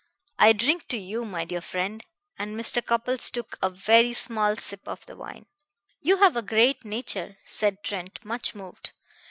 I drink to you, my dear friend." And Mr. Cupples took a very small sip of the wine. "You have a great nature," said Trent, much moved.